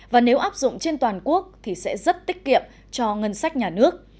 và nếu áp dụng trên toàn quốc thì sẽ rất tiết kiệm cho ngân sách nhà nước